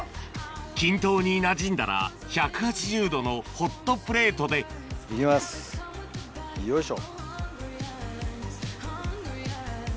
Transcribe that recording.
均等になじんだら１８０℃のホットプレートでよいしょ。